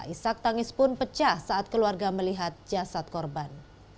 isak tangis pun pecah saat keluarga melihat jasad korban